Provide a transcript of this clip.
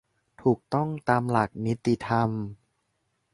ถูกต้องตามหลักนิติธรรม